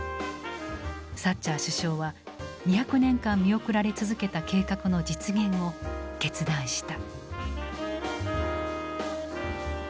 サッチャー首相は２００年間見送られ続けた計画の実現を決断した。